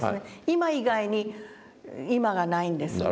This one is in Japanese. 今以外に今がないんですね。